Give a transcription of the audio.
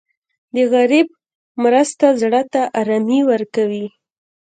د غریب مرسته زړه ته ارامي ورکوي.